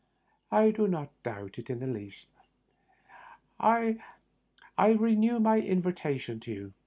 " I do not doubt it in the least. I renew my invitation to you.